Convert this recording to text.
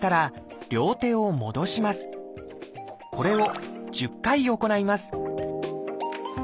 これを１０回行います